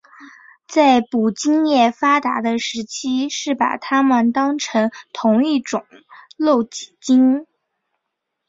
在捕鲸业发达的时期是把它们当成同一种露脊鲸。